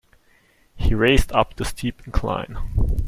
He raced up the steep incline.